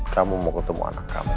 kamu mau ketemu anak kamu